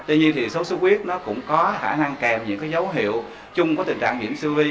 tuy nhiên thì sốc xuất huyết nó cũng có khả năng kèm những dấu hiệu chung với tình trạng diễn sư vi